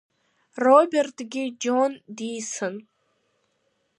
Робертгьы Џьон дицын.